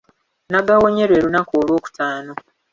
Nagawonye lwe lunaku olwokutaano.